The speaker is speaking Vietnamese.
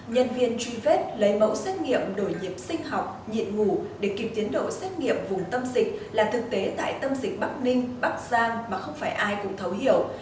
nhân viên truy vết lấy mẫu xét nghiệm đổi nhiễm sinh học nhiệt ngủ để kịp tiến độ xét nghiệm vùng tâm dịch là thực tế tại tâm dịch bắc ninh bắc giang mà không phải ai cũng thấu hiểu